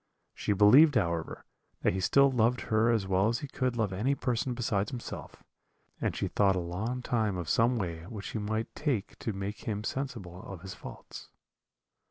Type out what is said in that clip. She believed, however, that he still loved her as well as he could love any person besides himself, and she thought a long time of some way which she might take to make him sensible of his faults.